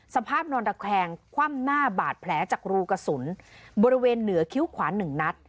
สภาพนอนระแวงคว่ำหน้าบาดแผลจากรูกระสุนบริเวณเหนือคิ้วขวาหนึ่งนัด